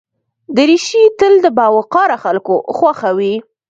دریشي تل د باوقاره خلکو خوښه وي.